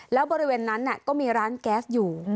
แล้วบริเวณนั้นก็มีร้านแก๊สอยู่